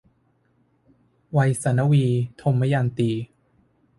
ไวษณวี - ทมยันตี